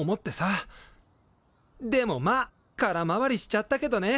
でもまあ空回りしちゃったけどね！